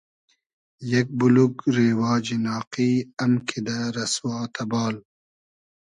یئگ بولوگ رېواجی ناقی ام کیدۂ رئسوا تئبال